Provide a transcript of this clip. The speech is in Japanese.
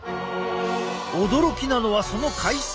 驚きなのはその回数。